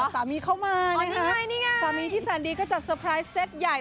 ตามีเข้ามานะฮะตามีที่แซนดีก็จัดเซตใหญ่